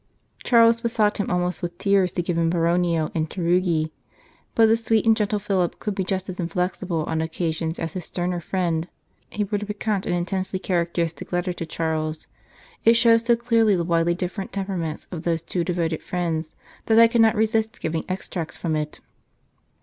Charles besought him almost with tears to give him Baronio and Tarugi, but the sweet and gentle Philip could be just as inflexible on occasions as his sterner friend. He wrote a piquant and intensely characteristic letter to Charles ; it shows so clearly the widely different temperaments of these two devoted friends that I cannot resist giving extracts from it.